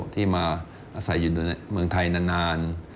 ที่มาอาศัยอยู่ในเมืองไทยนาน